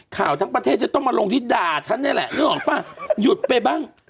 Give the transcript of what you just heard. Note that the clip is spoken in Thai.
ทั้งประเทศจะต้องมาลงที่ด่าฉันนี่แหละนึกออกป่ะหยุดไปบ้าง